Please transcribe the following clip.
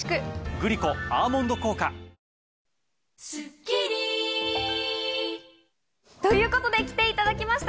グリコ「アーモンド効果」。ということで来ていただきました！